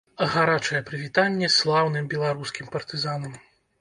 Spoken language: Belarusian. Гарачае прывітанне слаўным беларускім партызанам!